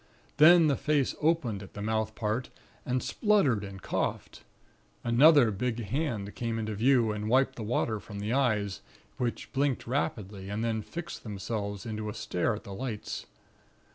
Then the face opened at the mouth part, and spluttered and coughed. Another big hand came into view, and wiped the water from the eyes, which blinked rapidly, and then fixed themselves into a stare at the lights.